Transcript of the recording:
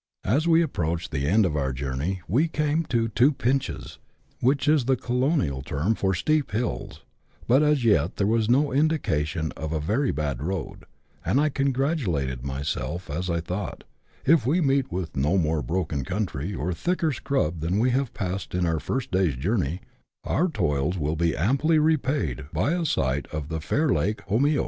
As we approached the end of our journey we came to one or two " pinches," which is the colonial term for steep hills : but as yet there was no indication of a very bad road, and I congratulated myself as I thought, "If we meet with no more broken country or thicker ' scrub ' than we have passed in our first day's journey, our toils will be amply repaid by a sight of the fair lake Omio."